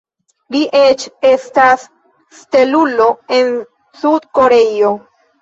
Li eĉ estas stelulo en Sud-Koreio.